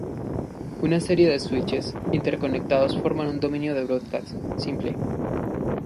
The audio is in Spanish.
Una serie de "switches" interconectados forman un dominio de "broadcast" simple.